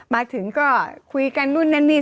มาถึงก็คุยกันนู่นนั่นนี่